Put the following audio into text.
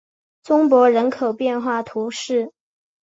伯宗人口变化图示